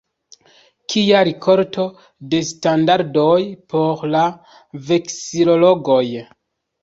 Kia rikolto de standardoj por la veksilologoj!